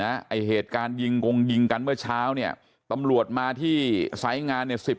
ไอ้เหตุการณ์ยิงกงยิงกันเมื่อเช้าเนี่ยตำรวจมาที่สายงานเนี่ยสิบ